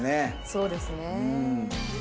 そうですね。